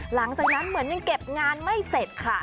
หลังจากนั้นเหมือนยังเก็บงานไม่เสร็จค่ะ